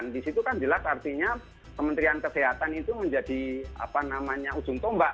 di situ kan jelas artinya kementerian kesehatan itu menjadi ujung tombak